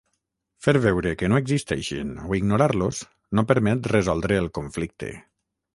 Fer veure que no existeixen o ignorar-los no permet resoldre el conflicte.